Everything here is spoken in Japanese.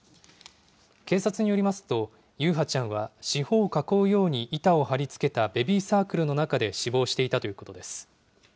警察によりますと、優陽ちゃんは四方を囲うように板を張り付けたベビーサークルの中で死亡していたということです。